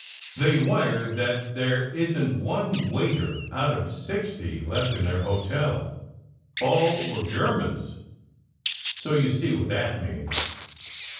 They wire that there isn t one waiter out of sixty left in their hotel all were Germans; so you see what that means.